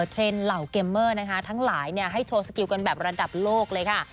เทรนด์เหล่าเกมเมอร์นะคะทั้งหลายให้โชว์สกิลกันแบบระดับโลกเลยค่ะ